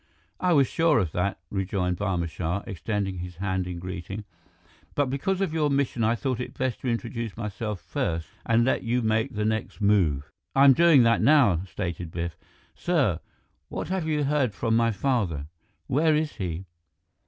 "I was sure of that," rejoined Barma Shah, extending his hand in greeting, "but because of your mission I thought it best to introduce myself first and let you make the next move." "I'm doing that now," stated Biff. "Sir what have you heard from my father? Where is he?"